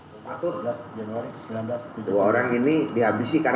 bapak terima kasih